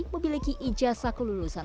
memiliki ijasa kelulusan